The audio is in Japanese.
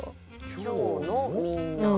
「今日のみんな」。